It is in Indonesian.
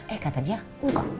eh kata dia enggak